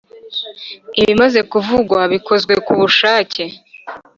ibimaze kuvugwa bikozwe ku bushake